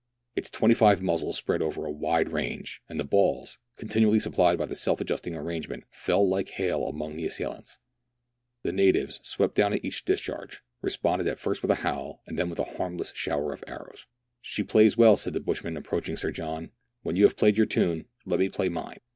Its twenty five muzzles spread over a wide range, and the balls, continually supplied by a self adjusting arrangement, fell like hail among the assailants. The natives, swept down at each discharge, responded at first with a howl and then with a harmless shower of arrows. THREE ENGLISHMEN AND THREE RUSSIANS. 207 " She plays well," said the bushman, approaching Sir John, " When you have played your tune, let me play mine."